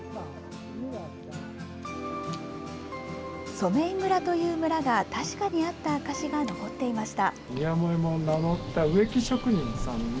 染井村という村が確かにあった証しが残っていました。